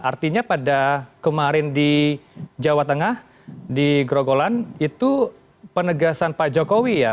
artinya pada kemarin di jawa tengah di grogolan itu penegasan pak jokowi ya